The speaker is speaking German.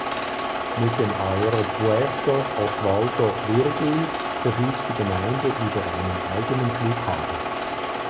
Mit dem Aeropuerto Osvaldo Virgil verfügt die Gemeinde über einen eigenen Flughafen.